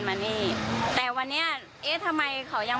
๓ทั้งน่าจะ๓ทั้ง